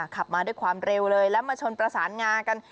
ขับมาด้วยความเร็วเลยแล้วมาชนประสานงากัน